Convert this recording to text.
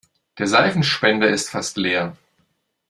Der Seifenspender ist fast leer.